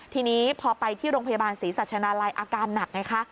ทีนี้พอไปที่โรงพยาบาลศรีสัชนาลัยอาการหนักไงคะ